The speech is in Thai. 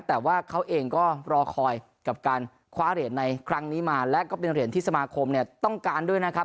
แต่ว่าเขาเองก็รอคอยกับการคว้าเหรียญในครั้งนี้มาและก็เป็นเหรียญที่สมาคมเนี่ยต้องการด้วยนะครับ